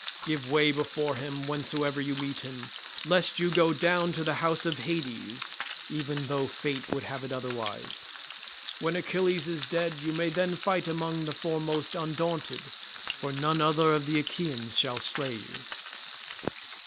Give way before him whensoever you meet him, lest you go down to the house of Hades even though fate would have it otherwise. When Achilles is dead you may then fight among the foremost undaunted, for none other of the Achaeans shall slay you."